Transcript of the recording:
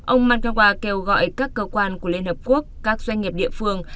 ông mankawa kêu gọi các cơ quan của liên hợp quốc các doanh nghiệp địa phương